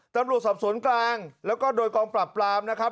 ตำรวจสอบสวนกลางแล้วก็โดยกองปรับปรามนะครับ